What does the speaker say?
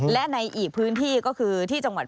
และในอีกพื้นที่ก็คือที่จังหวัด